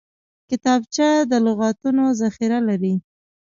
کتابچه د لغتونو ذخیره لري